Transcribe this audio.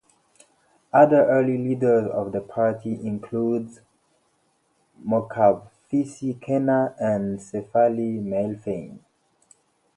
Other early leaders of the party included Mokhafisi Kena and Sefali Malefane.